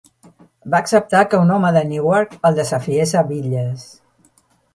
Va acceptar que un home de Newark el desafiés a bitlles.